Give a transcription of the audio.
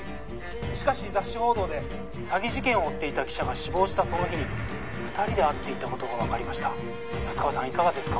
しかし雑誌報道で詐欺事件を追っていた記者が死亡したその日に２人で会っていたことが分かりました安川さんいかがですか？